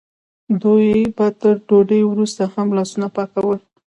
دوی به تر ډوډۍ وروسته هم لاسونه پاکول.